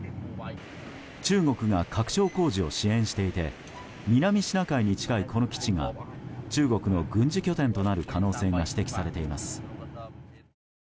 中国が拡張工事を支援していて南シナ海に近いこの基地が中国の軍事拠点となる可能性が指摘されています。